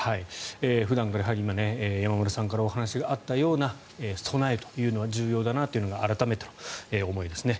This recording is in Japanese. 普段から山村さんからお話があったような備えというのは重要だなというのが改めて思いますね。